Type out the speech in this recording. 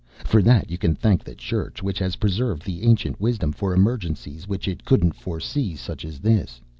For that you can thank the Church, which has preserved the ancient wisdom for emergencies which it couldn't forsee, such as this.